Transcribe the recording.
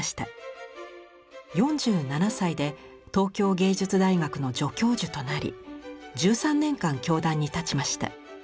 ４７歳で東京藝術大学の助教授となり１３年間教壇に立ちました。